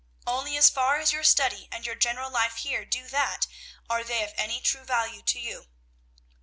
Only as far as your study and your general life here do that, are they of any true value to you.